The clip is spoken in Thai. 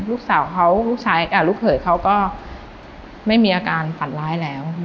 ลูกสาวเขาลูกเขยเขาก็ไม่มีอาการฝันร้ายแล้ว